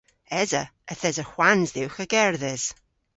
Esa. Yth esa hwans dhywgh a gerdhes.